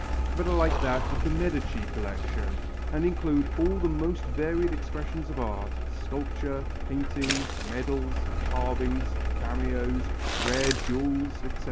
but are like that of the Medici collection, and include all the most varied expressions of art sculpture, paintings, medals, carving, cameos, rare jewels, etc.